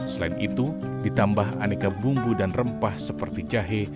selain itu ditambah aneka bumbu dan rempah seperti jahe